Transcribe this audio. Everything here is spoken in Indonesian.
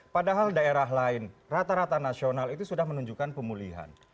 padahal daerah lain rata rata nasional itu sudah menunjukkan pemulihan